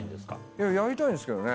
いややりたいんですけどね。